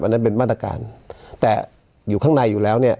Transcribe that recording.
นั่นเป็นมาตรการแต่อยู่ข้างในอยู่แล้วเนี่ย